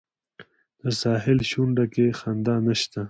د ساحل شونډو کې خندا نشته